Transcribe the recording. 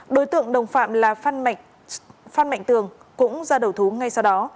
đối tượng đồng phạm là phan mạnh tường cũng ra đầu thú ngay sau đó